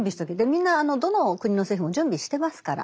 みんなどの国の政府も準備してますから